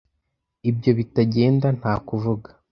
Ibyo bitagenda nta kuvuga. (